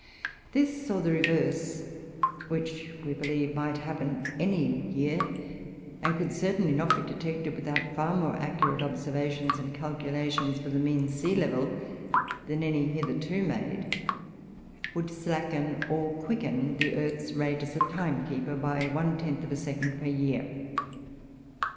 This, or the reverse, which we believe might happen any year, and could certainly not be detected without far more accurate observations and calculations for the mean sea level than any hitherto made, would slacken or quicken the earth's rate as a timekeeper by one tenth of a second per year."